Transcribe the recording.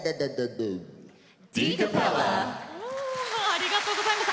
ありがとうございます。